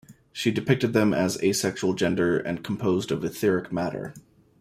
She depicted them as asexual gender, and composed of "etheric" matter.